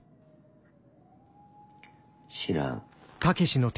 知らん。